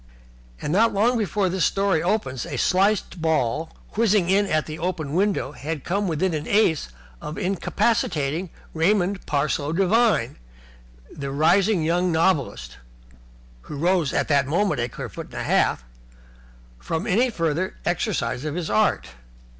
And not long before this story opens a sliced ball, whizzing in at the open window, had come within an ace of incapacitating Raymond Parsloe Devine, the rising young novelist (who rose at that moment a clear foot and a half) from any further exercise of his art.